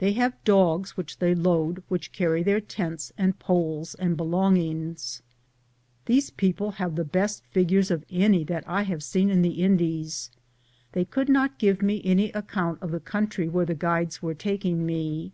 They have dogs which they laaiCwhich carry their tents and poles and belongings. These people have the best figures of any that I have seen in the Indies. They could not give me any account of the country where the guides were taking me.